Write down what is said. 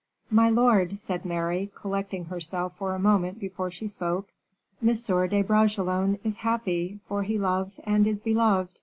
"My lord," said Mary, collecting herself for a moment before she spoke, "M. de Bragelonne is happy, for he loves and is beloved.